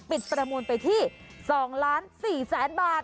ปิดประมวลไปที่๒ล้าน๔แสนบาท